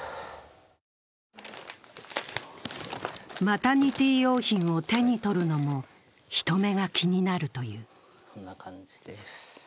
マタニティ用品を手に取るのも人目が気になるという。